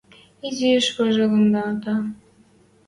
Изиш важылмада.